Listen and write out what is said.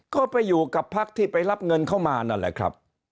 ก็ไปอยู่กับพักที่ไปรับเงินเข้ามานั่นแหละครับ